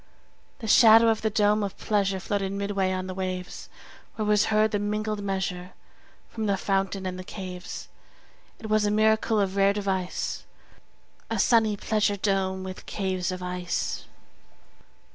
30 The shadow of the dome of pleasure Floated midway on the waves; Where was heard the mingled measure From the fountain and the caves. It was a miracle of rare device, 35 A sunny pleasure dome with caves of ice!